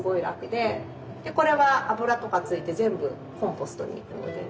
でこれは油とか付いて全部コンポストにいくので。